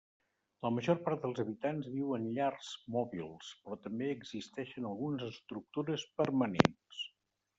La major part dels habitants viu en llars mòbils, però també existeixen algunes estructures permanents.